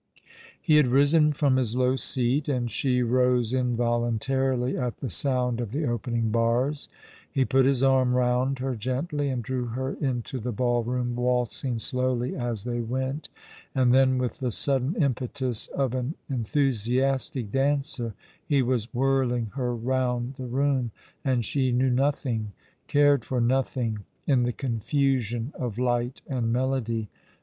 He had risen from his low seat, and she rose involuntarily at the sound of the opening bars. He put his arm round her gently, and drew her into the ball room, waltzing slowly as they went, and then, with the sudden impetus of an enthusiastic dancer, he was whirling her round the room» and she knew nothing, cared for nothing, in the confusion of light and melody.